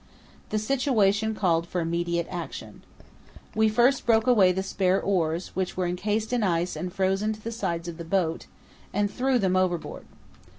The situation called for immediate action. We first broke away the spare oars, which were encased in ice and frozen to the sides of the boat, and threw them overboard.